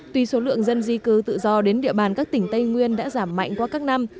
tuy số lượng dân di cư tự do đến địa bàn các tỉnh tây nguyên đã giảm mạnh qua các năm